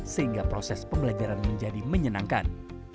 sehingga proses pembelajaran menjadi menyenangkan